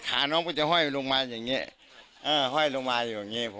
น้องก็จะห้อยลงมาอย่างนี้ห้อยลงมาอยู่อย่างนี้